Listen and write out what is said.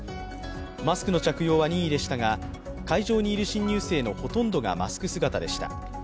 マスクの着用は任意でしたが、会場にいる新入生のほとんどがマスク姿でした。